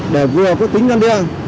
để vừa có tính năng đeo